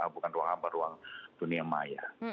bukan ruang apa ruang dunia maya